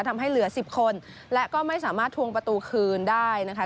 ทำให้เหลือสิบคนและก็ไม่สามารถทวงประตูคืนได้นะคะ